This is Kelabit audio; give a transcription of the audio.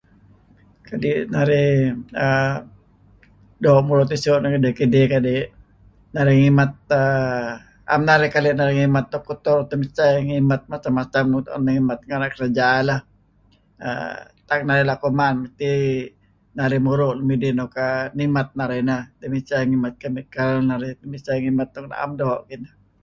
Kadi' narih doo' muru' tisu' narih kinih kadi' narih ngimat uhm am narih keli' narih ngimat tak narih kotor temicha ngimat macam-macam nuk tuen narih bgimat lem kerja leh. Tak narih kuman mesti narih muru' enun nuk nimat narih. Temicah ngimat chemical, narih emicha ngimat nuk naem doo' kineh.